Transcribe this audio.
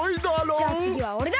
じゃあつぎはおれだ！